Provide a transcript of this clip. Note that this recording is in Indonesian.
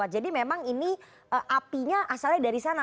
memang ini apinya asalnya dari sana